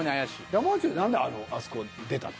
山内くん何であそこ出たの？